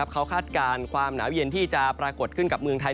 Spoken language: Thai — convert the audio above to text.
เขาคาดการณ์ความหนาวเย็นที่จะปรากฏขึ้นกับเมืองไทย